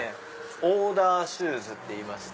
オーダーシューズっていいまして。